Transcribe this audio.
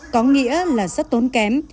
có nghĩa là rất tốn kém